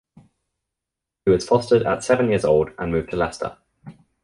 He was fostered at seven years old and moved to Leicester.